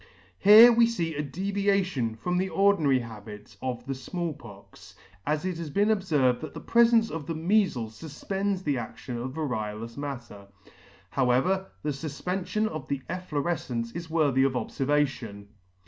Here we fee a deviation from the ordinary habits of the Small Pox, as it has been obferved that the prefence of the meafles fufpends the adtion of variolous matter. How r ever, the fufpen fion of the efflorefcence is worthy of observation.